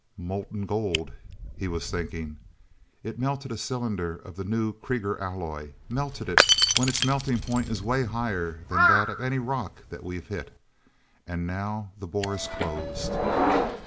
"Molten gold," he was thinking. "It melted a cylinder of the new Krieger alloy—melted it when its melting point is way higher than that of any rock that we've hit. And now the bore is closed...."